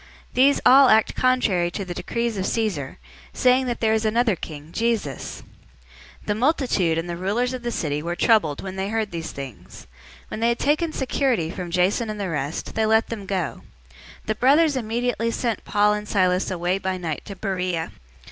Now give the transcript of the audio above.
These all act contrary to the decrees of Caesar, saying that there is another king, Jesus!" 017:008 The multitude and the rulers of the city were troubled when they heard these things. 017:009 When they had taken security from Jason and the rest, they let them go. 017:010 The brothers immediately sent Paul and Silas away by night to Beroea.